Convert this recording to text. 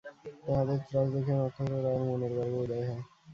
তাহাদের ত্রাস দেখিয়া নক্ষত্ররায়ের মনে গর্বের উদয় হয়।